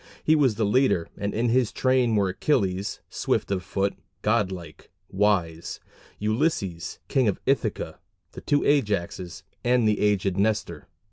He was the leader, and in his train were Achilles, "swift of foot"; "god like, wise" Ulysses, King of Ithaca, the two Ajaxes, and the aged Nestor.